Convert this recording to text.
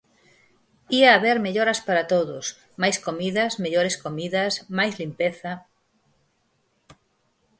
Ia haber melloras para todos, máis comidas, mellores comidas, máis limpeza.